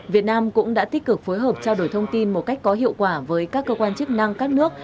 việt nam cũng đã tích cực phối hợp trao đổi thông tin một cách có hiệu quả với các cơ quan chức năng các nước